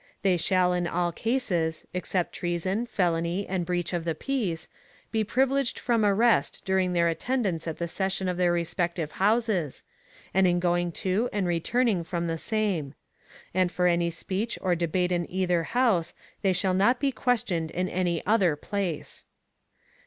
They shall in all Cases, except Treason, Felony and Breach of the Peace, be privileged from Arrest during their Attendance at the Session of their respective Houses, and in going to and returning from the same; and for any Speech or Debate in either House, they shall not be questioned in any other Place.